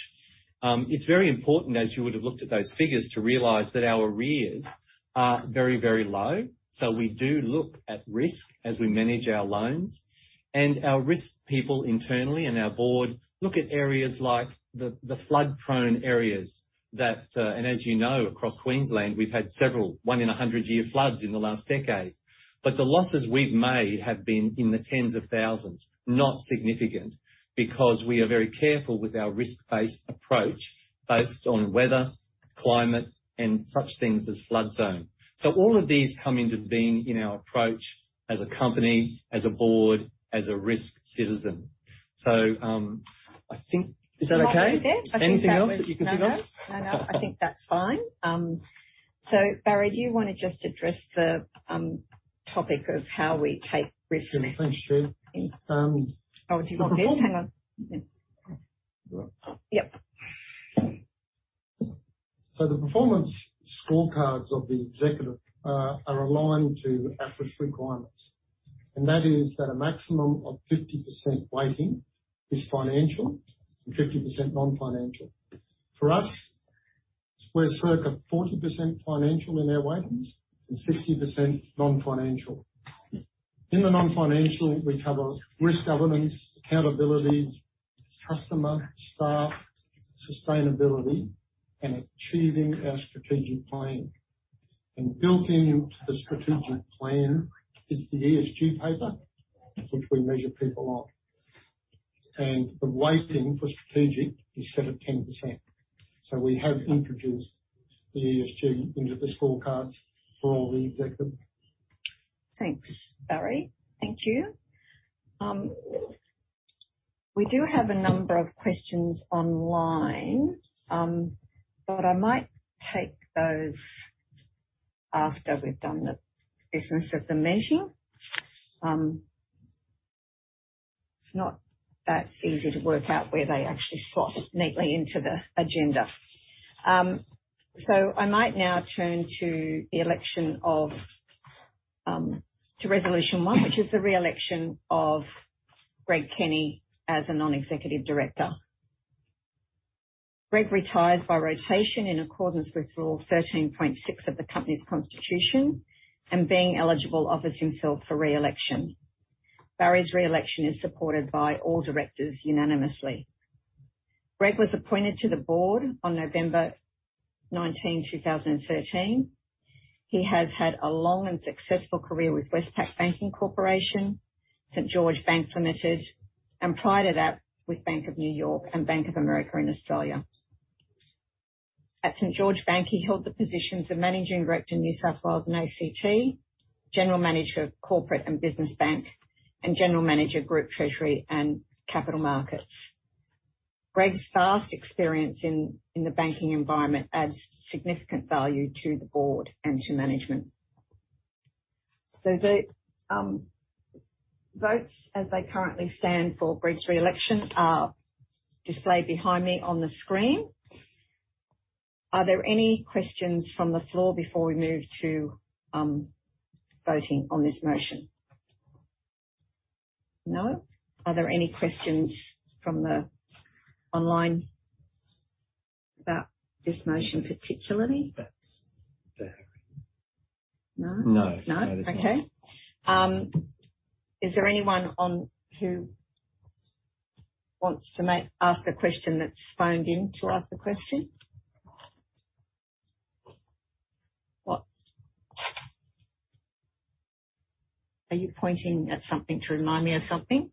It's very important, as you would have looked at those figures, to realize that our arrears are very, very low. We do look at risk as we manage our loans. Our risk people internally and our board look at areas like the flood-prone areas that, and as you know, across Queensland, we've had several 1-in-100-year floods in the last decade. The losses we've made have been in the tens of thousands, not significant, because we are very careful with our risk-based approach based on weather, climate, and such things as flood zone. All of these come into being in our approach as a company, as a board, as a risk citizen. I think... Is that okay? I think that was. No, no. Anything else that you can think of? No, no. I think that's fine. Barry, do you want to just address the topic of how we take risks? Sure. Thanks, Sandra. Oh, do you want this? Hang on. Yep. The performance scorecards of the executive are aligned to APRA's requirements, and that is that a maximum of 50% weighting is financial and 50% non-financial. For us, we're circa 40% financial in our weightings and 60% non-financial. In the non-financial, we cover risk governance, accountabilities, customer, staff, sustainability, and achieving our strategic plan. Built into the strategic plan is the ESG paper, which we measure people on. The weighting for strategic is set at 10%. We have introduced the ESG into the scorecards for all the executives. Thanks, Barry. Thank you. We do have a number of questions online, I might take those after we've done the business of the meeting. It's not that easy to work out where they actually slot neatly into the agenda. I might now turn to the election of to resolution one, which is the re-election of Greg Kenny as a non-executive director. Greg retires by rotation in accordance with rule 13.6 of the company's constitution and being eligible offers himself for re-election. Barry's re-election is supported by all directors unanimously. Greg was appointed to the board on November 19, 2013. He has had a long and successful career with Westpac Banking Corporation, St.George Bank Limited, and prior to that, with Bank of New York and Bank of America in Australia. At St. St.George Bank, he held the positions of Managing Director in New South Wales and ACT, General Manager of corporate and business banks, and General Manager, group treasury and capital markets. Greg's vast experience in the banking environment adds significant value to the board and to management. The votes as they currently stand for Greg's re-election are displayed behind me on the screen. Are there any questions from the floor before we move to voting on this motion? No. Are there any questions from the online about this motion, particularly? Thanks. No? No. No. Okay. Is there anyone on who wants to make, ask a question that's phoned in to ask the question? What? Are you pointing at something to remind me of something?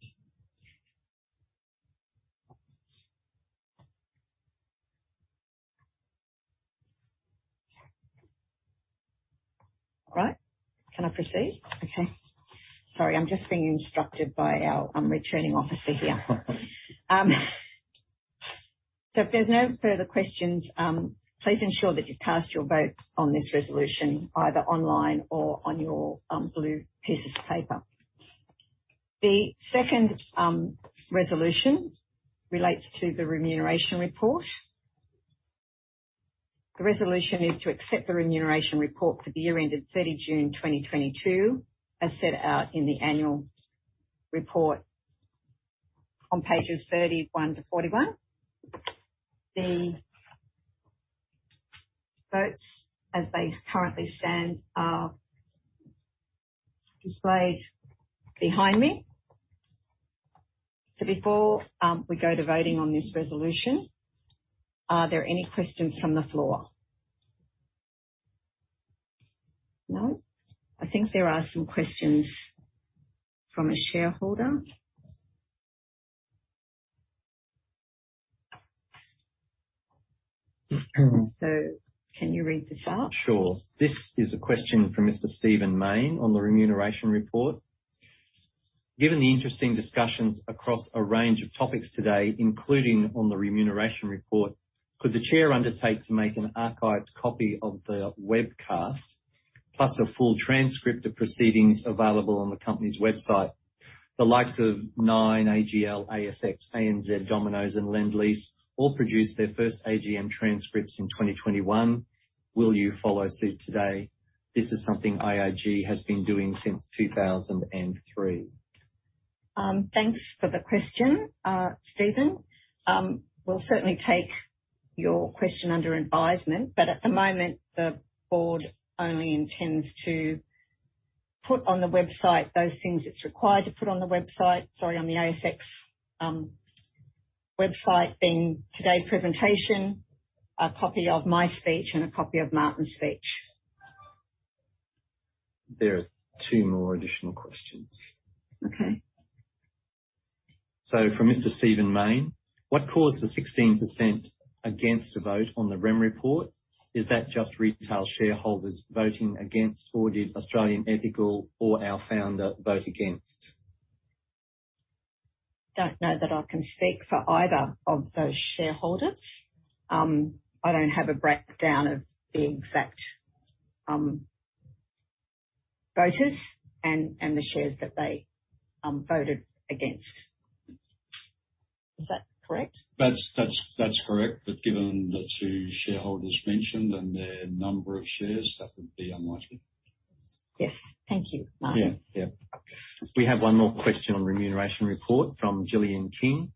All right. Can I proceed? Okay. Sorry, I'm just being instructed by our returning officer here. If there's no further questions, please ensure that you cast your vote on this resolution, either online or on your blue pieces of paper. The second resolution relates to the remuneration report. The resolution is to accept the remuneration report for the year ended June 30, 2022, as set out in the annual report on pages 31-41. The votes as they currently stand are displayed behind me. Before we go to voting on this resolution, are there any questions from the floor? No. I think there are some questions from a shareholder. Can you read this out? Sure. This is a question from Mr. Stephen Mayne on the remuneration report. Given the interesting discussions across a range of topics today, including on the remuneration report, could the Chair undertake to make an archived copy of the webcast, plus a full transcript of proceedings available on the company's website? The likes of Nine, AGL, ASX, ANZ, Domino's and Lendlease all produced their first AGM transcripts in 2021. Will you follow suit today? This is something IIG has been doing since 2003. Thanks for the question, Stephen. We'll certainly take your question under advisement. At the moment, the board only intends to put on the website those things it's required to put on the website. Sorry, on the ASX website, being today's presentation, a copy of my speech and a copy of Martin's speech. There are two more additional questions. Okay. From Mr. Stephen Mayne. What caused the 16% against the vote on the Rem Report? Is that just retail shareholders voting against, or did Australian Ethical or our founder vote against? Don't know that I can speak for either of those shareholders. I don't have a breakdown of the exact voters and the shares that they voted against. Is that correct? That's correct. Given the two shareholders mentioned and their number of shares, that would be unlikely. Yes. Thank you, Martin. Yeah. Yeah. We have one more question on remuneration report from Gillian King.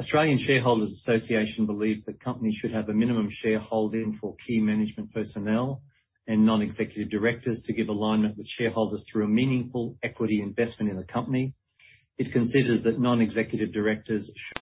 Australian Shareholders' Association believes that companies should have a minimum shareholding for key management personnel and non-executive directors to give alignment with shareholders through a meaningful equity investment in the company. It considers that non-executive directors should.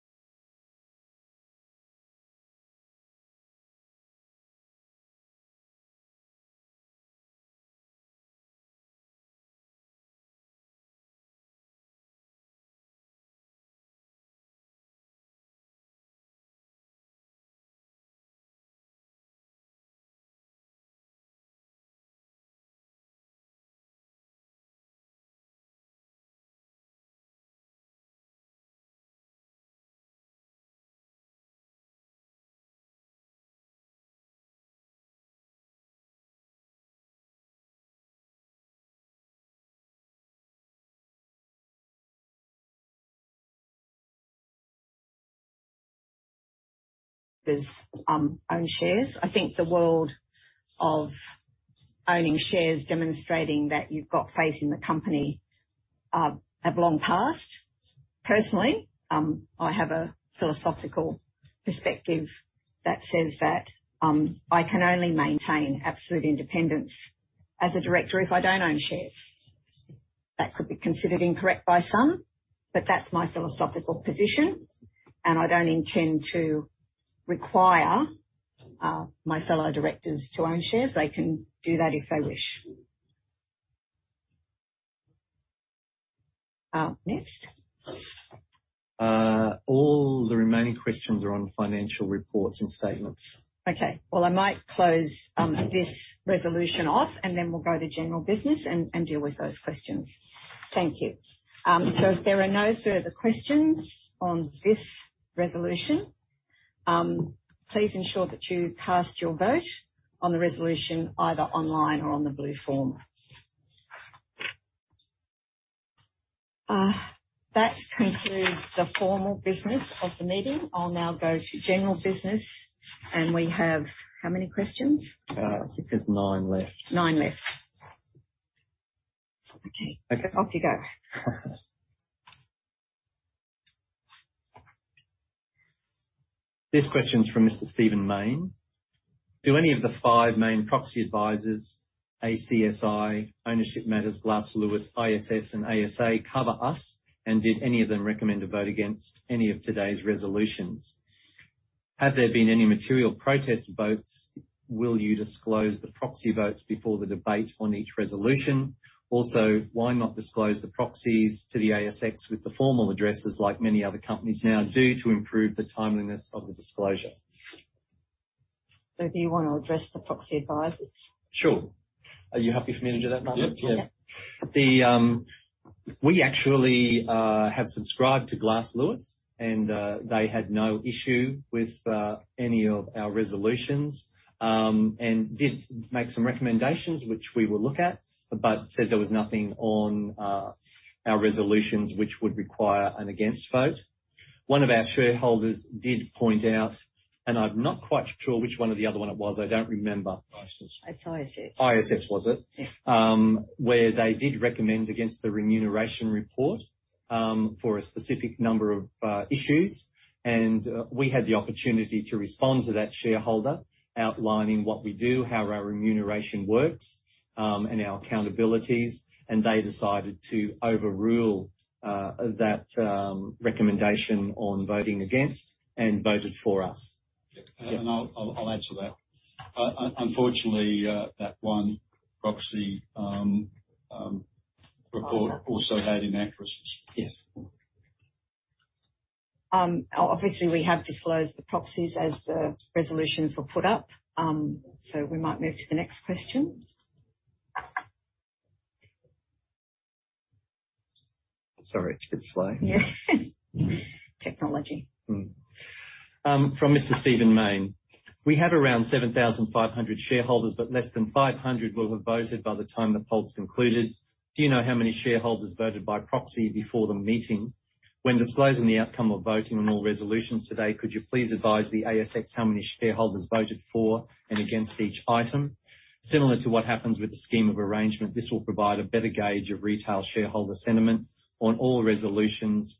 There's own shares. I think the world of owning shares demonstrating that you've got faith in the company have long passed. Personally, I have a philosophical perspective that says that I can only maintain absolute independence as a director if I don't own shares. That could be considered incorrect by some, but that's my philosophical position, and I don't intend to require my fellow directors to own shares. They can do that if they wish. Next. All the remaining questions are on financial reports and statements. Okay. Well, I might close this resolution off, then we'll go to general business and deal with those questions. Thank you. So if there are no further questions on this resolution, please ensure that you cast your vote on the resolution, either online or on the blue form. That concludes the formal business of the meeting. I'll now go to general business. We have how many questions? I think there's nine left. Nine left. Okay. Okay. Off you go. This question's from Mr. Stephen Mayne. Do any of the five main proxy advisors, ACSI, Ownership Matters, Glass Lewis, ISS and ASA, cover us? Did any of them recommend a vote against any of today's resolutions? Have there been any material protest votes? Will you disclose the proxy votes before the debate on each resolution? Why not disclose the proxies to the ASX with the formal addresses like many other companies now do to improve the timeliness of the disclosure? Do you want to address the proxy advisors? Sure. Are you happy for me to do that, Martin? Yeah. Yeah. We actually have subscribed to Glass Lewis. They had no issue with any of our resolutions and did make some recommendations which we will look at, but said there was nothing on our resolutions which would require an against vote. One of our shareholders did point out. I'm not quite sure which one of the other one it was, I don't remember. ISS. It's ISS. ISS was it. Yes. Where they did recommend against the remuneration report for a specific number of issues. We had the opportunity to respond to that shareholder outlining what we do, how our remuneration works, and our accountabilities. They decided to overrule that recommendation on voting against and voted for us. Yeah. I'll add to that. Unfortunately, that one proxy report also had inaccuracies. Yes. Obviously, we have disclosed the proxies as the resolutions were put up. We might move to the next question. Sorry, it's a bit slow. Yeah. Technology. Mm-hmm. From Mr. Stephen Mayne. We have around 7,500 shareholders, but less than 500 will have voted by the time the poll's concluded. Do you know how many shareholders voted by proxy before the meeting? When disclosing the outcome of voting on all resolutions today, could you please advise the ASX how many shareholders voted for and against each item? Similar to what happens with the scheme of arrangement, this will provide a better gauge of retail shareholder sentiment on all resolutions,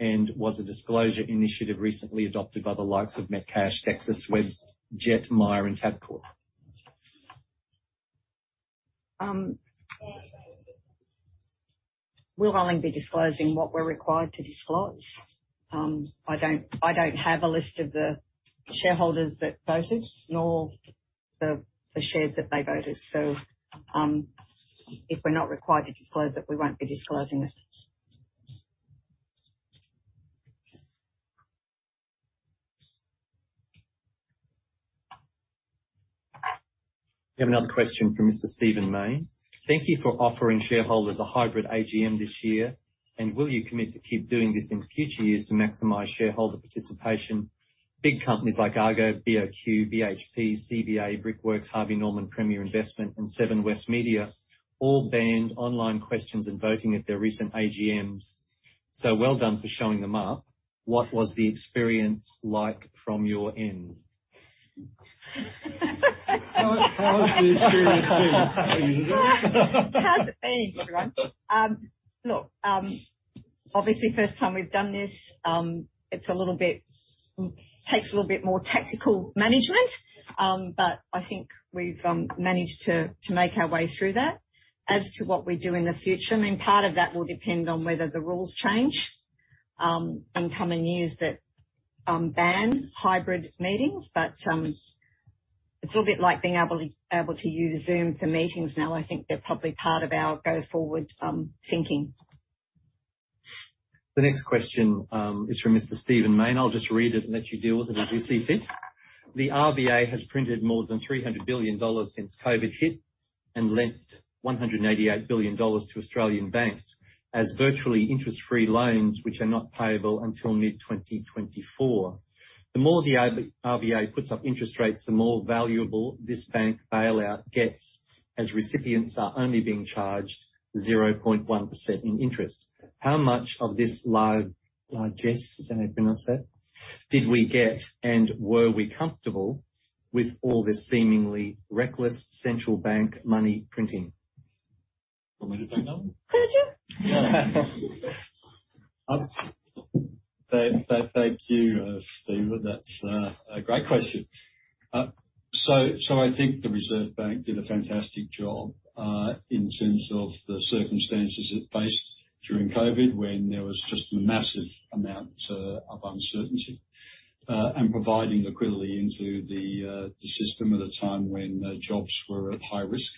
and was a disclosure initiative recently adopted by the likes of Metcash, Wesfarmers Webjet, Myer, and Tabcorp. We'll only be disclosing what we're required to disclose. I don't have a list of the shareholders that voted, nor the shares that they voted. If we're not required to disclose it, we won't be disclosing it. We have another question from Mr. Stephen Mayne. Thank you for offering shareholders a hybrid AGM this year, and will you commit to keep doing this in future years to maximize shareholder participation? Big companies like Argo, BOQ, BHP, CBA, Brickworks, Harvey Norman, Premier Investments, and Seven West Media all banned online questions and voting at their recent AGMs. Well done for showing them up. What was the experience like from your end? How has the experience been, Isabelle? How's it been, everyone? Look, obviously first time we've done this. Takes a little bit more tactical management. I think we've managed to make our way through that. As to what we do in the future, I mean, part of that will depend on whether the rules change, and come and use that ban hybrid meetings. It's a little bit like being able to use Zoom for meetings now. I think they're probably part of our go forward thinking. The next question is from Mr. Stephen Mayne. I'll just read it and let you deal with it as you see fit. The RBA has printed more than 300 billion dollars since COVID hit and lent 188 billion dollars to Australian banks as virtually interest-free loans which are not payable until mid-2024. The more the RBA puts up interest rates, the more valuable this bank bailout gets, as recipients are only being charged 0.1% in interest. How much of this largesse, is that how you pronounce that? Did we get and were we comfortable with all this seemingly reckless central bank money printing? You want me to take that one? Could you? Yeah. Thank you, Stephen. That's a great question. I think the Reserve Bank did a fantastic job in terms of the circumstances it faced during COVID, when there was just a massive amount of uncertainty and providing liquidity into the system at a time when jobs were at high risk.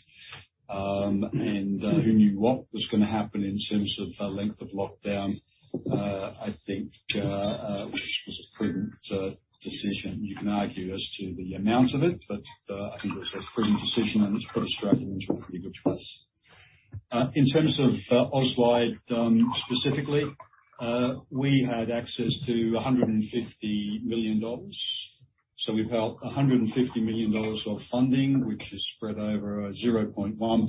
Who knew what was gonna happen in terms of the length of lockdown? I think which was a prudent decision. You can argue as to the amount of it, I think it was a prudent decision, and it's put Australia in pretty good place. In terms of Auswide, specifically, we had access to 150 million dollars. We've held 150 million dollars of funding, which is spread over a 0.1% or 0.25%.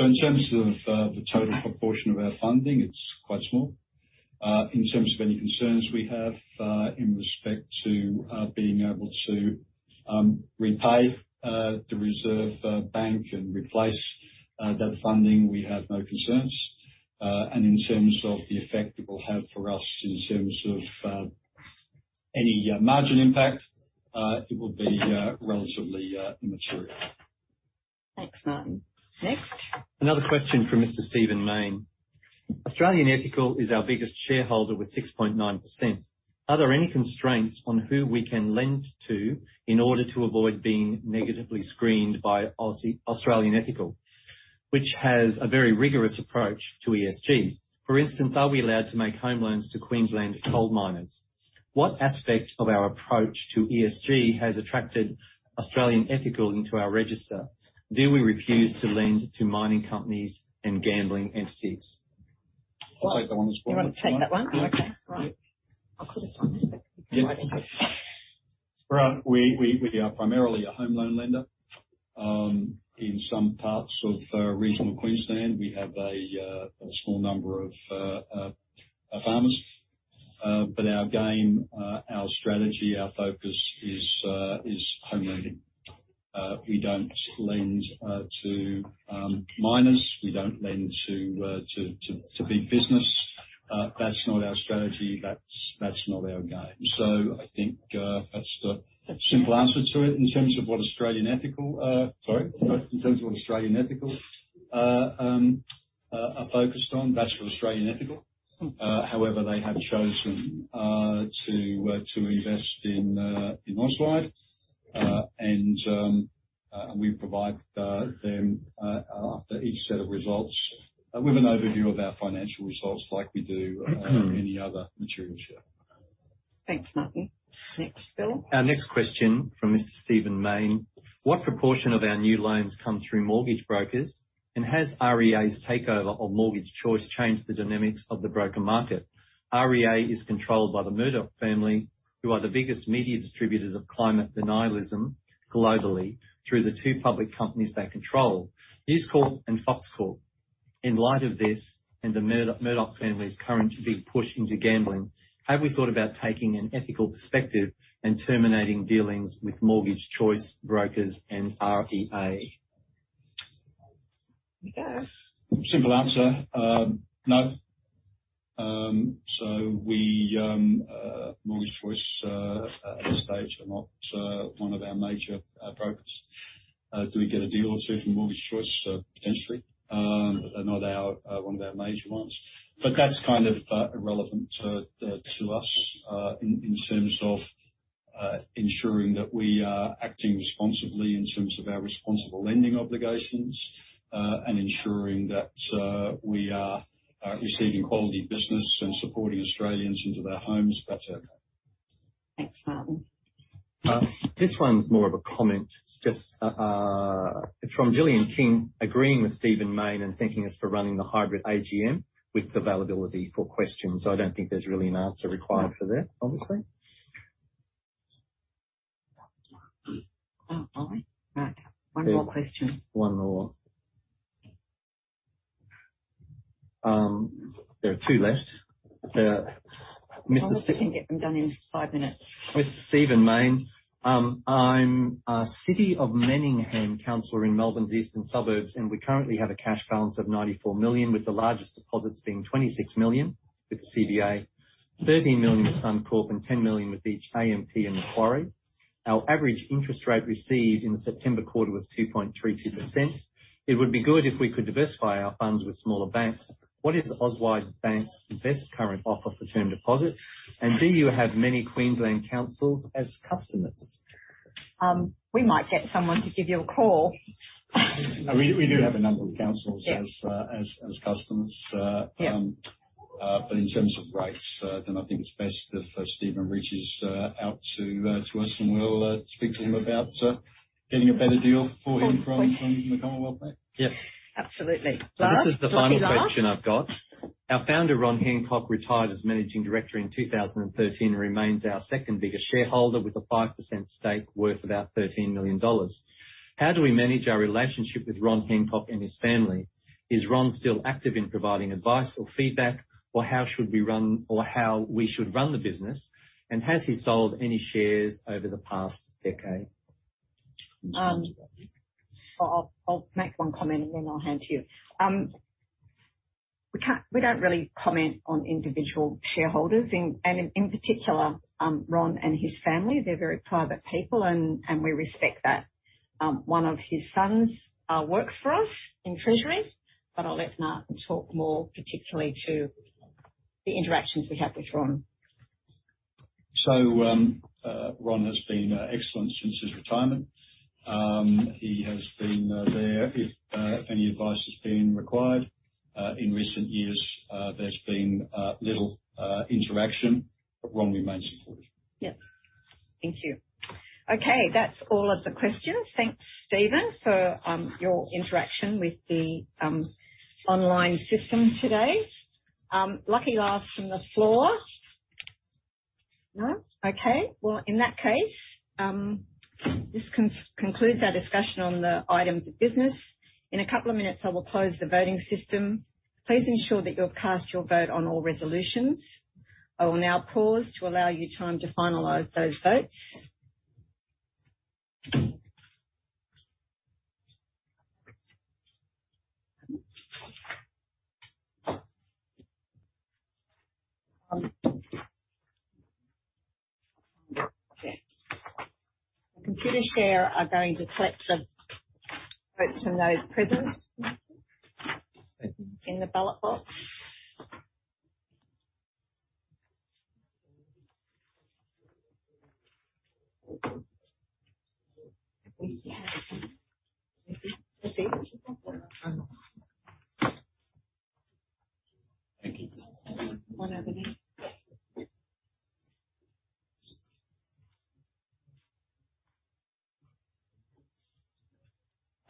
In terms of the total proportion of our funding, it's quite small. In terms of any concerns we have in respect to being able to repay the Reserve Bank and replace that funding, we have no concerns. In terms of the effect it will have for us in terms of any margin impact, it will be relatively immaterial. Thanks, Martin. Next. Another question from Mr. Stephen Mayne. Australian Ethical is our biggest shareholder with 6.9%. Are there any constraints on who we can lend to in order to avoid being negatively screened by Australian Ethical, which has a very rigorous approach to ESG? For instance, are we allowed to make home loans to Queensland coal miners? What aspect of our approach to ESG has attracted Australian Ethical into our register? Do we refuse to lend to mining companies and gambling entities? I'll take that one as well. You wanna take that one? Okay. All right. I'll put this one just back here. Yeah. Right. We are primarily a home loan lender. In some parts of regional Queensland, we have a small number of farmers. But our game, our strategy, our focus is home lending. We don't lend to miners. We don't lend to big business. That's not our strategy. That's not our game. I think that's the simple answer to it. In terms of what Australian Ethical... Sorry. In terms of what Australian Ethical are focused on, that's for Australian Ethical. However, they have chosen to invest in Auswide. And we provide them after each set of results with an overview of our financial results like we do any other material share. Thanks, Martin. Next, Bill. Our next question from Mr. Stephen Mayne. What proportion of our new loans come through mortgage brokers? Has REA's takeover of Mortgage Choice changed the dynamics of the broker market? REA is controlled by the Murdoch family, who are the biggest media distributors of climate denialism globally through the two public companies they control, News Corp and Fox Corp. In light of this and the Murdoch family's current big push into gambling, have we thought about taking an ethical perspective and terminating dealings with Mortgage Choice brokers and REA? You go. Simple answer, no. We, Mortgage Choice, at this stage are not one of our major brokers. Do we get a deal or two from Mortgage Choice? Potentially. They're not our one of our major ones. That's kind of irrelevant to us in terms of ensuring that we are acting responsibly in terms of our responsible lending obligations, and ensuring that we are receiving quality business and supporting Australians into their homes. That's it. Thanks, Martin. This one's more of a comment. It's just, it's from Gillian King agreeing with Stephen Mayne and thanking us for running the hybrid AGM with availability for questions. I don't think there's really an answer required for that, obviously. Oh, all right. Right. One more question. One more. There are two left. I wonder if we can get them done in five minutes. Mr. Stephen Mayne. I'm a City of Manningham councillor in Melbourne's eastern suburbs, and we currently have a cash balance of 94 million, with the largest deposits being 26 million with CBA, 13 million with Suncorp, and 10 million with each AMP and Macquarie. Our average interest rate received in the September quarter was 2.32%. It would be good if we could diversify our funds with smaller banks. What is Auswide Bank's best current offer for term deposits, and do you have many Queensland councils as customers? We might get someone to give you a call. We do have a number of. Yeah. As customers. Yeah. In terms of rates, then I think it's best if Stephen reaches out to us, and we'll speak to him about getting a better deal for him from the Commonwealth Bank. Yeah. Absolutely. Last, lucky last. This is the final question I've got. Our founder, Ron Hancock, retired as managing director in 2013 and remains our second-biggest shareholder with a 5% stake worth about 13 million dollars. How do we manage our relationship with Ron Hancock and his family? Is Ron still active in providing advice or feedback or how we should run the business, and has he sold any shares over the past decade? I'll make one comment, and then I'll hand to you. We don't really comment on individual shareholders, and in particular, Ron and his family. They're very private people, and we respect that. One of his sons works for us in treasury, but I'll let Martin talk more particularly to the interactions we have with Ron. Ron has been excellent since his retirement. He has been there if any advice has been required. In recent years, there's been little interaction, but Ron remains supportive. Yeah. Thank you. Okay. That's all of the questions. Thanks, Stephen, for your interaction with the online system today. Lucky last from the floor. No? Okay. In that case, this concludes our discussion on the items of business. In a couple of minutes, I will close the voting system. Please ensure that you've cast your vote on all resolutions. I will now pause to allow you time to finalize those votes. The Computershare are going to collect the votes from those present in the ballot box. One over there.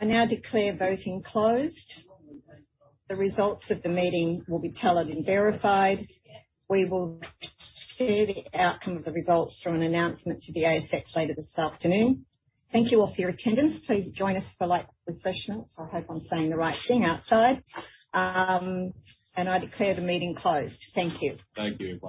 I now declare voting closed. The results of the meeting will be tallied and verified. We will share the outcome of the results through an announcement to the ASX later this afternoon. Thank you all for your attendance. Please join us for light refreshments. I hope I'm saying the right thing outside. I declare the meeting closed. Thank you. Thank you.